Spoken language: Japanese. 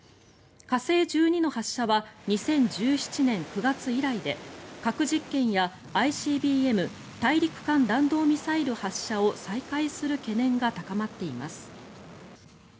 火星１２の発射は２０１７年９月以来で核実験やＩＣＢＭ・大陸間弾道ミサイル発射を再開する懸念が高まっています。